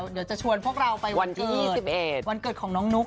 เดี๋ยวจะชวนพวกเราไปวันเกิดของนุ๊กธนโดรน